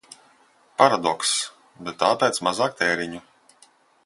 Paradokss. Bet tāpēc mazāk tēriņu.